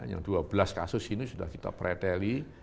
yang dua belas kasus ini sudah kita preteli